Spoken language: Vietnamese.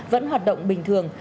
vẫn hoạt động bình thường